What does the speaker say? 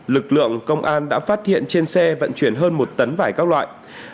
lực lượng công an đã phát hiện trên xe vận chuyển hơn một tấn vải các loại